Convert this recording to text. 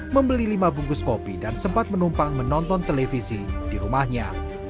membeli lima bungkus kopi dan sempat menumpang menonton televisi di rumahnya